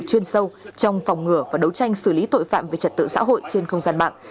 chuyên sâu trong phòng ngừa và đấu tranh xử lý tội phạm về trật tự xã hội trên không gian mạng